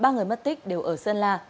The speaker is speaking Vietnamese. ba người mất tích đều ở sơn la